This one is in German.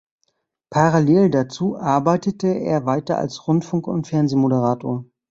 Parallel dazu arbeitete er weiter als Rundfunk- und Fernsehmoderator.